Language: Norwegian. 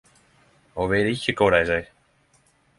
Og veit ikkje kva dei sei